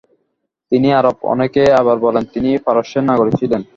তিনি আরব, অনেকে আবার বলেন তিনি পারস্যের নাগরিক ছিলেন।